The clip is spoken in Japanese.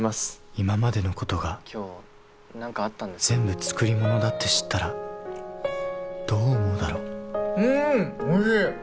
今までのことが全部作りものだって知ったらどう思うだろう？